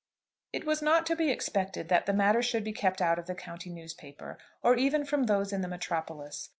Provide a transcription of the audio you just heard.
IT was not to be expected that the matter should be kept out of the county newspaper, or even from those in the metropolis.